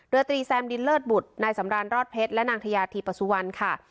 โดยตรีแซมดินเลิศบุตรนายสำรานรอดเพชรและนางทยาธีปสุวรรณค่ะ